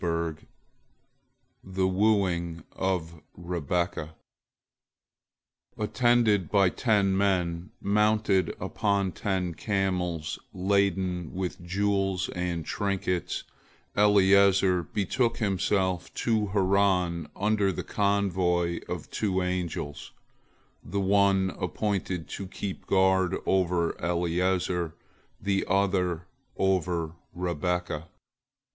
THE WOOING OF REBEKAH Attended by ten men, mounted upon ten camels laden with jewels and trinkets, Eliezer betook himself to Haran under the convoy of two angels, the one appointed to keep guard over Eliezer, the other over Rebekah.